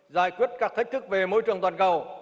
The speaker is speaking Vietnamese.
giải quyết các thách thức về môi trường toàn cầu